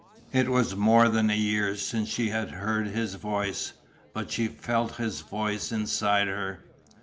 It was more than a year since she had heard his voice. But she felt his voice inside her.